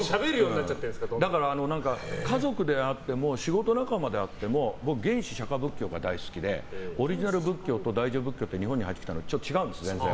だから家族であっても仕事仲間であっても釈迦仏教が大好きでオリジナル仏教と大乗仏教って日本に入ってきても違うんですよ。